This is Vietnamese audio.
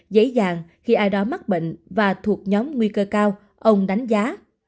dễ dàng khi ai đó mắc bệnh và thuộc nhóm nguy cơ cao ông đánh giá